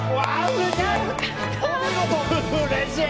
うれしい！